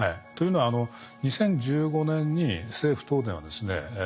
というのは２０１５年に政府・東電はですね